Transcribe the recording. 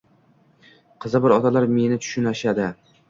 Qizi bor otalar meni tushunishadi.